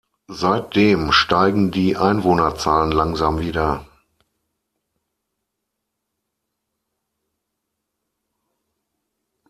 Seitdem steigen die Einwohnerzahlen langsam wieder.